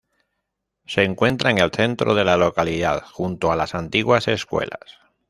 Se encuentra en el centro de la localidad, junto a las antiguas escuelas.